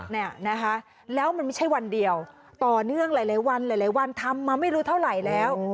เนี่ยนะคะแล้วมันไม่ใช่วันเดียวต่อเนื่องหลายวันหลายวันทำมาไม่รู้เท่าไหร่แล้ว